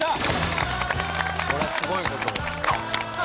これはすごいこと。